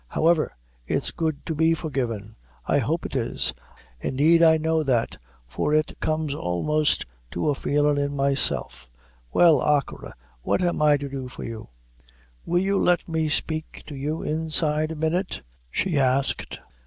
However, it's good to be forgivin'; I hope it is; indeed I know that; for it comes almost to a feelin' in myself. Well, achora, what am I to do for you?" "Will you let me speak to you inside a minute?" she asked.